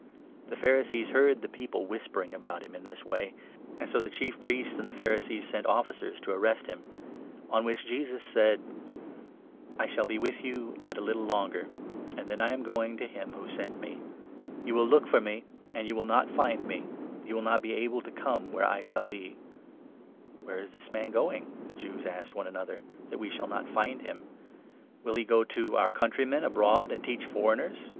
The Pharisees heard the people whispering about him in this 32 way, and so the Chief Priests and the Pharisees sent officers to arrest him ; on which Jesus said : 33 " I shall be with you but a little longer, and then I am going to him who sent me. You will look for me, and you will not 34 find me ; and you will not be able to come where I shall be." "Where is this man going," the Jews asked one another, 35 " that we shall not find him ? Will he go to our countrymen abroad, and teach foreigners ?